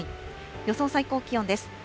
予想最高気温です。